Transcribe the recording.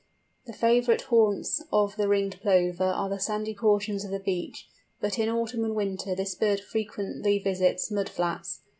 The favourite haunts of the Ringed Plover are the sandy portions of the beach; but in autumn and winter this bird frequently visits mud flats.